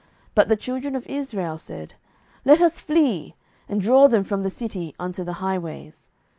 But the children of Israel said, Let us flee, and draw them from the city unto the highways.